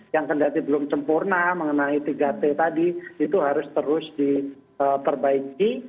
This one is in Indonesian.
yang kendati belum sempurna mengenai tiga t tadi itu harus terus diperbaiki